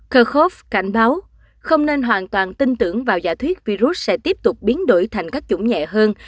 kurkhovf cảnh báo không nên hoàn toàn tin tưởng vào giả thuyết virus sẽ tiếp tục biến đổi thành các chủng nhẹ hơn